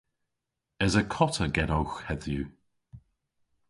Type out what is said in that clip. Esa kota genowgh hedhyw?